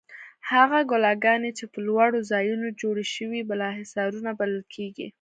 هغه کلاګانې چې په لوړو ځایونو جوړې شوې بالاحصارونه بلل کیږي.